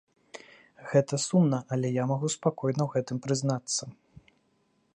Гэта сумна, але я магу спакойна ў гэтым прызнацца.